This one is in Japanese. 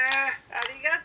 ありがと。